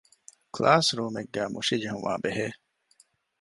ކްލާސްރޫމެއްގައި މުށިޖެހުމާބެހޭ